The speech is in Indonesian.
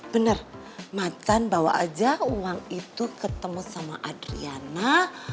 benar macan bawa aja uang itu ketemu sama adriana